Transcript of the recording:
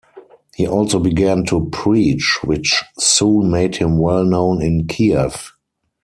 He also began to preach, which soon made him well known in Kiev.